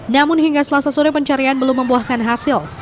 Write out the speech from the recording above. namun hingga selasa sore pencarian belum membuahkan hasil